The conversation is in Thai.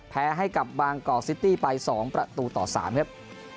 แพ้ให้กับบางกอกซิตี้ไป๒ประตูต่อ๓ครับ